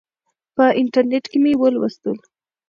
په انټرنیټ کې مې ولوستل.